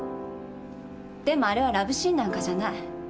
でもあれはラブシーンなんかじゃない。